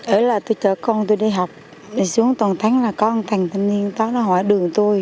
ở là tôi chở con tôi đi học xuống toàn tháng là có một thành thanh niên đó hỏi đường tôi